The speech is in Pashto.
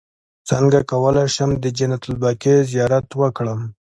څنګه کولی شم د جنت البقیع زیارت وکړم